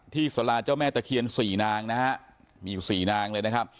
สลาเจ้าแม่ตะเคียนสี่นางนะฮะมีอยู่๔นางเลยนะครับ